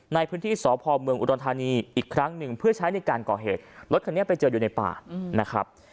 ในพื้นที่สพเมืองอุดรธานีอีกครั้งหนึ่งเพื่อใช้ในการก่อเหตุรถคันนี้ไปเจออยู่ในป่านะครับ